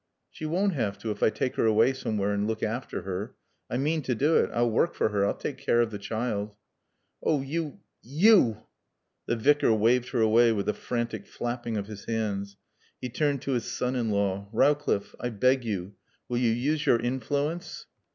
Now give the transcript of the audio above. "She won't have to if I take her away somewhere and look after her. I mean to do it. I'll work for her. I'll take care of the child." "Oh, you you !" The Vicar waved her away with a frantic flapping of his hands. He turned to his son in law. "Rowcliffe I beg you will you use your influence?"